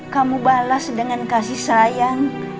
kamu balas dengan kasih sayang